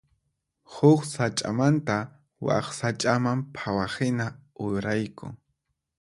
Huk sach'amanta wak sach'aman phawaqhina uraykun.